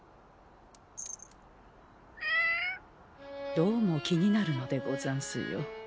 どうも気になるのでござんすよ。